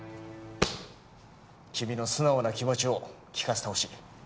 君の素直な気持ちを聞かせてほしい。